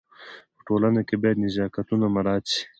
په ټولنه کي باید نزاکتونه مراعت سي.